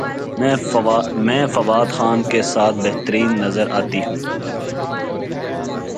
میں فواد خان کے ساتھ بہترین نظر اتی ہوں